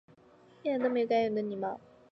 一点都没有该有的礼貌